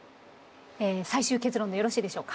最終結論でよろしいでしょうか？